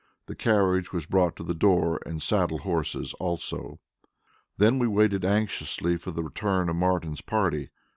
The carriage was brought to the door and saddle horses also. Then we waited anxiously for the return of Martin's party.